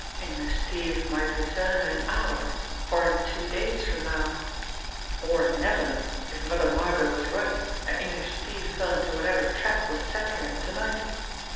English Steve might return in an hour, or in two days from now or never, if Mother Margot was right, and English Steve fell into whatever trap was set for him to night!